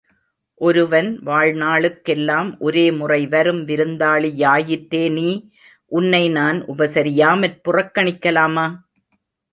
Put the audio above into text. ஒருவன் வாழ்நாளுக் கெல்லாம் ஒரே முறை வரும் விருந்தாளி யாயிற்றே நீ, உன்னை நான் உபசரியாமற் புறக் கணிக்கலாமா?